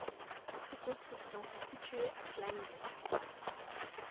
Ces constructions sont situées à Kleingœft.